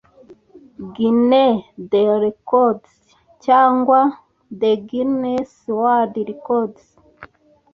Guiness des Records cyangwa se Guiness World Records